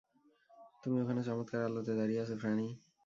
তুমি ওখানে চমৎকার আলোতে দাঁড়িয়ে আছো, ফ্র্যানি।